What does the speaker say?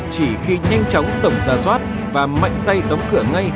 chỉ khi nhanh chóng tổng ra soát và mạnh tay đóng cửa ngay